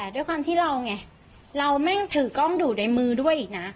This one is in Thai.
ด้วยความที่เราไงเราแม่งถือกล้องดูในมือด้วยอีกนะ